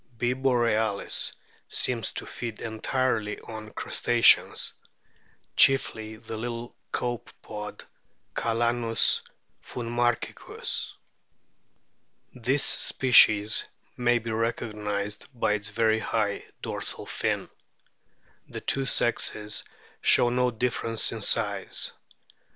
B. borealis seems to feed entirely on Crustaceans, chiefly the little Copepod Calanus finmarchicus. This species may be recognised by its very high dorsal fin. The two sexes show no difference in size.